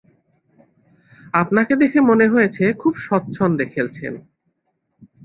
আপনাকে দেখে মনে হয়েছে খুব স্বচ্ছন্দে খেলছেন।